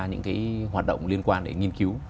những hoạt động liên quan đến nghiên cứu